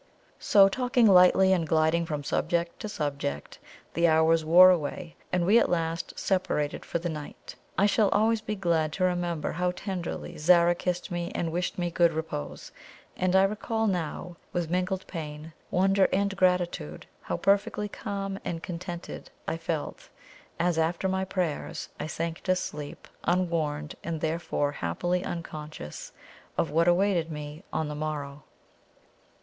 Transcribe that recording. So, talking lightly, and gliding from subject to subject, the hours wore away, and we at last separated for the night. I shall always be glad to remember how tenderly Zara kissed me and wished me good repose; and I recall now, with mingled pain, wonder, and gratitude, how perfectly calm and contented I felt as, after my prayers, I sank to sleep, unwarned, and therefore happily unconscious, of what awaited me on the morrow.